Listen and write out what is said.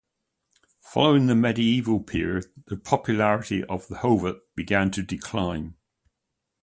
Following the medieval period, the popularity of the Hovawart began to decline.